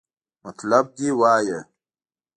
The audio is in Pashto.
مطلب دې وایا!